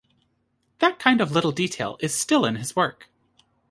That kind of little detail is still in his work.